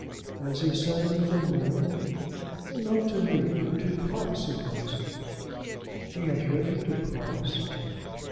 "Has he said anything more?" "Not to me; but to Price he has." "He has written to Price?"